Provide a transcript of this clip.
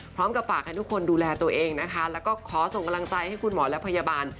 ฝากให้ทุกคนดูแลตัวเองนะคะแล้วก็ขอส่งกำลังใจให้คุณหมอและพยาบาล